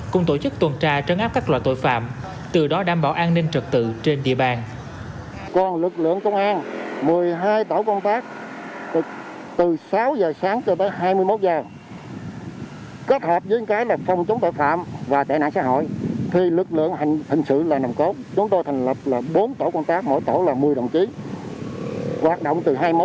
cũng tổ chức tuần tra trấn áp các loại tội phạm từ đó đảm bảo an ninh trật tự trên địa bàn